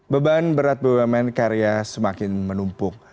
beban berat bumn karya semakin menumpuk